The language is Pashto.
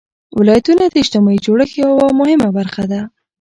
ولایتونه د اجتماعي جوړښت یوه مهمه برخه ده.